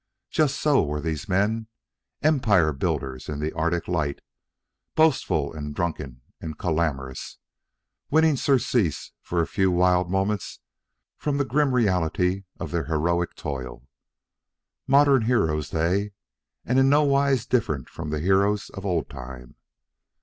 Just so were these men, empire builders in the Arctic Light, boastful and drunken and clamorous, winning surcease for a few wild moments from the grim reality of their heroic toil. Modern heroes they, and in nowise different from the heroes of old time.